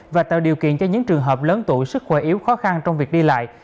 và tạo điều kiện cho những trường hợp lớn tuổi sức khỏe yếu khó khăn trong việc đi lại